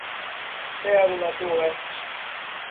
Pérola d'Oeste